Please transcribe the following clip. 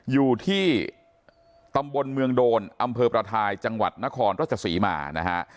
อยู่ที่ตำบลเมืองโดนอำเภอประทายจังหวัดนครราชศรีมานะฮะ